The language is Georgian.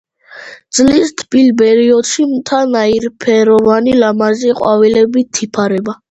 წლის თბილ პერიოდში მთა ნაირფეროვანი ლამაზი ყვავილებით იფარება.